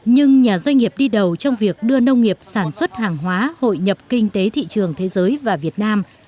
nhưng nhà doanh nghiệp đi đầu trong việc đưa nông nghiệp sản xuất hàng hóa hội nhập kinh tế thị trường thế giới và việt nam